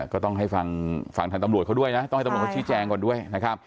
ก็ต้องให้ฟังทางตำรวจเขาด้วยนะต้องให้ตำรวจเขาชี้แจงก่อนด้วยนะครับ